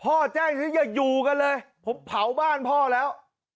พ่อแจ้งสิอย่าอยู่กันเลยผมเผาบ้านพ่อแล้ว